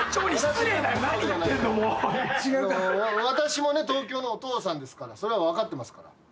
私もね東京のお父さんですからそれは分かってますから。